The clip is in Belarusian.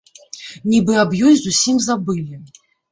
Нібы аб ёй зусім забылі.